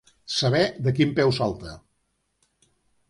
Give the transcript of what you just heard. Saber de quin peu salta.